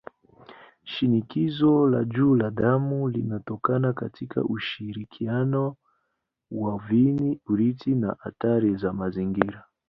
Shinikizo la juu la damu linatokana katika ushirikiano wa viini-urithi na athari za mazingira.